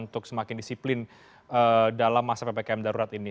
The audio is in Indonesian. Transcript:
untuk semakin disiplin dalam masa ppkm darurat ini